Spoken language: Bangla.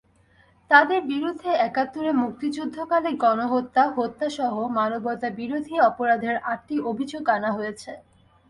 তাঁদের বিরুদ্ধে একাত্তরে মুক্তিযুদ্ধকালে গণহত্যা, হত্যাসহ মানবতাবিরোধী অপরাধের আটটি অভিযোগ আনা হয়েছে।